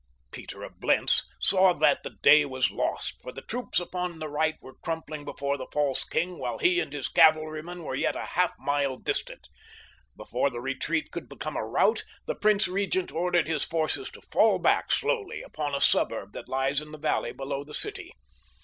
Peter of Blentz saw that the day was lost, for the troops upon the right were crumpling before the false king while he and his cavalrymen were yet a half mile distant. Before the retreat could become a rout the prince regent ordered his forces to fall back slowly upon a suburb that lies in the valley below the city.